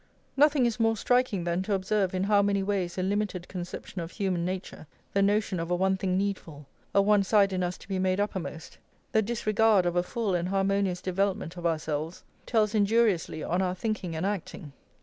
Nothing is more striking than to observe in how many ways a limited conception of human nature, the notion of a one thing needful, a one side in us to be made uppermost, the disregard of a full and harmonious development of ourselves, tells injuriously on our thinking and acting.